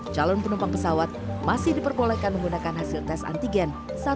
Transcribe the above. calon penumpang pesawat masih diperbolehkan menggunakan hasil tes antigen satu x dua puluh empat jam